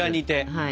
はい。